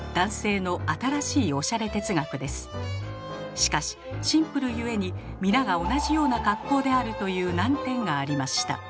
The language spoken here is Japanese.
しかしシンプルゆえに皆が同じような格好であるという難点がありました。